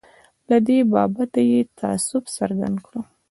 له دې بابته یې تأسف څرګند کړ.